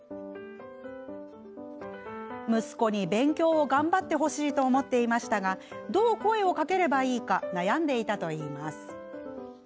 息子に勉強を頑張ってほしいと思っていましたがどう声をかければいいか悩んでいたといいます。